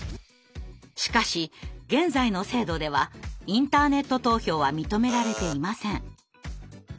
しかし現在の制度ではインターネット投票は認められていません。